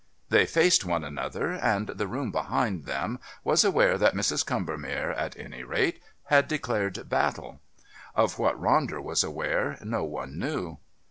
They faced one another, and the room behind them was aware that Mrs. Combermere, at any rate, had declared battle. Of what Ronder was aware no one knew.